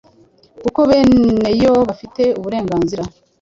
kuko beneyo bafite uburenganzira